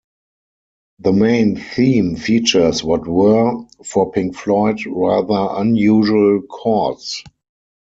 The main theme features what were, for Pink Floyd, rather unusual chords.